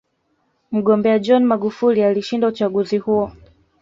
mgombea john magufuli alishinda uchaguzi huo